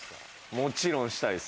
もちろんしたいです。